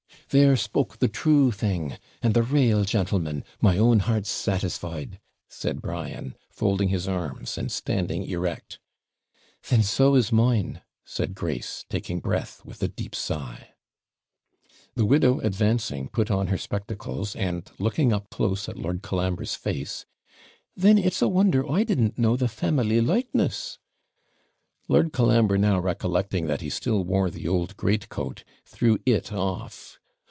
'There spoke the true thing! and the RAEL gentleman; my own heart's satisfied,' said Brian, folding his arms, and standing erect. 'Then so is mine,' said Grace, taking breath, with a deep sigh. The widow advancing, put on her spectacles, and, looking up close at Lord Colambre's face 'Then it's a wonder I didn't know the family likeness.' Lord Colambre now recollecting that he still wore the old greatcoat, threw it off.